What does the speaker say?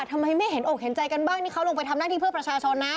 ทำไมไม่เห็นอกเห็นใจกันบ้างนี่เขาลงไปทำหน้าที่เพื่อประชาชนนะ